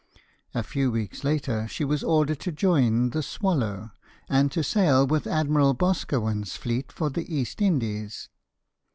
A few weeks later, she was ordered to join the 'Swallow,' and to sail with Admiral Boscawen's fleet for the East Indies.